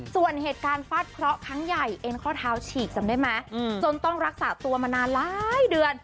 ส่วนเหตุการณ์ฟาดเคราะห์ครั้งใหญ่เอ็นข้อเท้าฉีกจำได้ไหมจนต้องรักษาตัวมานานหลายเดือน